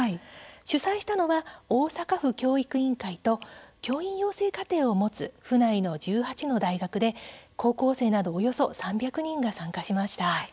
主催したのは大阪府教育委員会と教員養成課程を持つ府内の１８の大学で高校生などおよそ３００人が参加しました。